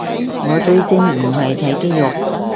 我追星唔係睇肌肉